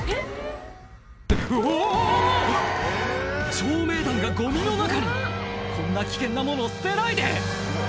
照明弾がゴミの中にこんな危険なもの捨てないで！